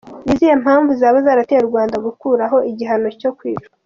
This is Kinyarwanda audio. Ni izihe mpamvu zaba zarateye u Rwanda gukuraho igihano cyo kwicwa?.